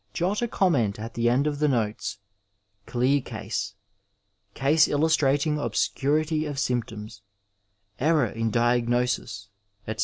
Jot a conmient at the end of the notes s clear case," " case illustrating obscurity of symptoms," ^* error in diagnosis," etc.